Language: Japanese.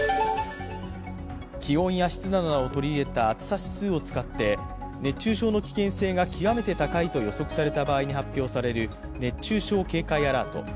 気温や湿度などを取り入れた暑さ指数を使って熱中症の危険性が極めて高いと予測された場合に発表される熱中症警戒アラート。